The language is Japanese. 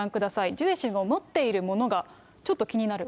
ジュエ氏が持っているものがちょっと気になる。